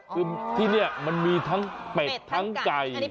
คือที่นี่มันมีทั้งเป็ดทั้งไก่